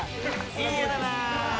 いい湯だな！